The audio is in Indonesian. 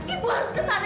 ibu harus ke sana